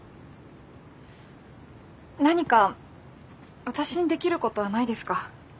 何か私にできることはないですか？